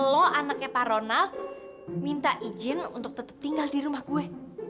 kalau anaknya pak ronald minta izin untuk tetap tinggal di rumah gue